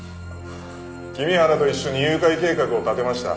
君原と一緒に誘拐計画を立てました。